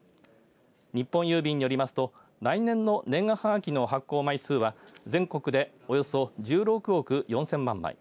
日本郵便によりますと来年の年賀はがきの発行枚数は全国でおよそ１６億４０００万枚。